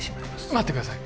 待ってください